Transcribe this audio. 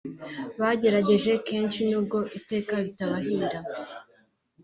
bagerageje kenshi nubwo iteka bitabahira